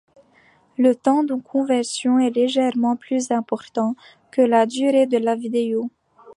Le temps de conversion est légèrement plus important que la durée de la vidéo.